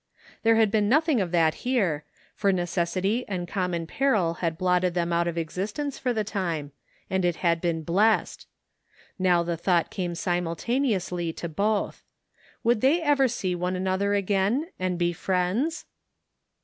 There had been nothing of that 61 THE FINDING OF JASPER HOLT here, for necessity and common peril had blotted them out of existence for the time, and it had been blessed Now the thought came simultaneously to botlu Would they ever see one another again and be friends?